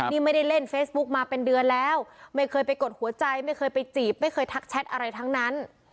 นี่ไม่ได้เล่นเฟซบุ๊กมาเป็นเดือนแล้วไม่เคยไปกดหัวใจไม่เคยไปจีบไม่เคยทักแชทอะไรทั้งนั้น